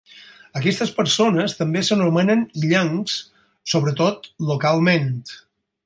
Aquestes persones també s'anomenen "illencs", sobretot localment.